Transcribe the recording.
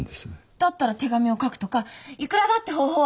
だったら手紙を書くとかいくらだって方法はあるじゃないですか。